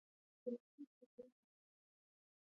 هندوکش د افغانستان د اقلیمي نظام ښکارندوی ده.